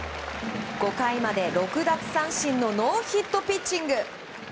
５回まで６奪三振のノーヒットピッチング。